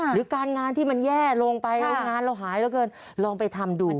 หรือการงานที่มันแย่ลงไปงานเราหายลองไปทำดู